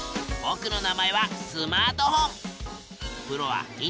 ぼくの名前はスマートフォン。